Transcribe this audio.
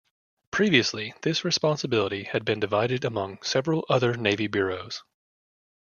Previously, this responsibility had been divided among several other navy bureaus.